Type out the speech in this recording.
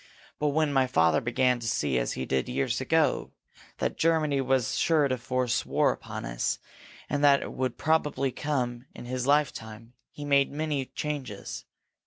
But when my father began to see, as he did years ago, that Germany was sure to force war upon us, and that it would probably come in his lifetime, he made many changes.